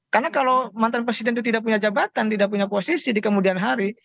karena kalau mantan presiden itu tidak punya jabatan tidak punya posisi di kemudian hari